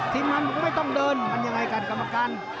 ทีมงานมันก็ไม่ต้องเดินมันยังไงกันกรรมการ